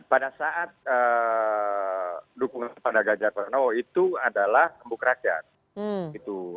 pada saat dukungan pada ganjar pranowo itu adalah embuk rakyat